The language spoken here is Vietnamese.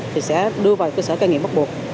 thì sẽ đưa vào cơ sở cơ nghiệm bắt buộc